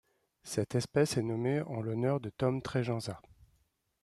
Cette espèce est nommée en l'honneur de Tom Tregenza.